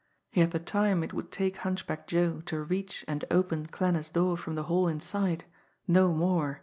He had the time it would take Hunchback Joe to reach and open Klanner's door from the hall inside no more.